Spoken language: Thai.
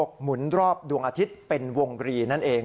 หมุนรอบดวงอาทิตย์เป็นวงบรีนั่นเอง